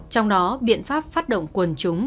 trong đó biện pháp phát động quần chúng